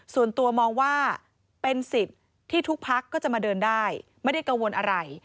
ส่วนตัวมองว่าเป็นสิทธิ์ที่ทุกพักก็จะมาเดินได้ไม่ได้กังวลอะไร